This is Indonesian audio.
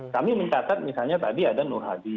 kami mencatat misalnya tadi ada nur hadi